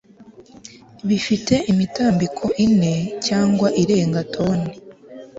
bifite imitambiko ine cyangwa irenga toni